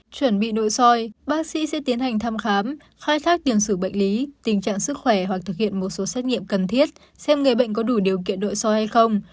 chuẩn bị nội soi bác sĩ sẽ tiến hành thăm khám khai thác tiền xử bệnh lý tình trạng sức khỏe hoặc thực hiện một số xét nghiệm cần thiết xem người bệnh có đủ điều kiện nội soi hay không